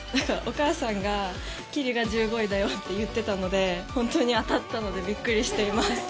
お母さんが、姫吏が１５位だよと言っていたので本当に当たったので、びっくりしています。